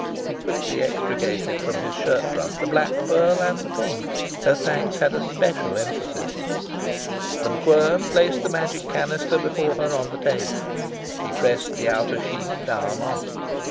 He quickly extricated from his shirt front the black pearl and the pink. Her thanks had a special emphasis. The MacQuern placed the Magic Canister before her on the table. She pressed the outer sheath down on it.